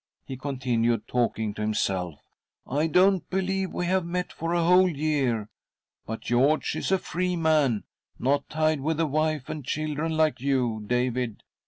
he continued, talking to himself. " I don't believe we have met for a whole year. But George is a free man — not tied with a wife and children like you, David.